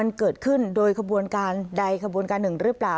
มันเกิดขึ้นไดขบวนการ๑รึเปล่า